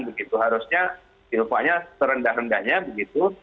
begitu harusnya silvanya serendah rendahnya begitu